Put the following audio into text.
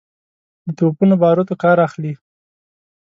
د توپونو باروتو کار اخلي.